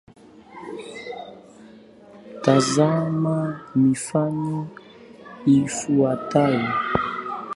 Tazama mifano ifuatayo;